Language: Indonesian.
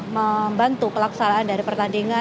membantu pelaksanaan dari pertandingan